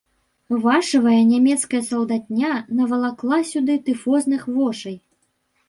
Вашывая нямецкая салдатня навалакла сюды тыфозных вошай.